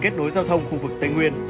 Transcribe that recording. kết nối giao thông khu vực tây nguyên